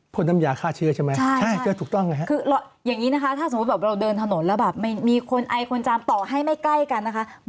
พ่นน้ำยาฆ่าเชื้อใช่ไหม